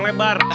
nggak usah nanya